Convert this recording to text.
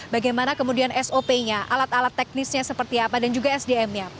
bagaimana kemudian sop nya alat alat teknisnya seperti apa dan juga sdm nya